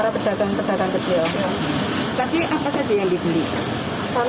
kami membeli barang dagangan yang terdampak ppkm